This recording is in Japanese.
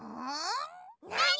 なに？